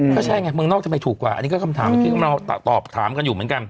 ก็ใช่ไงเมืองนอกจะไปถูกกว่าอันนี้ก็คำถามที่เราตอบถามกันอยู่เหมือนกัน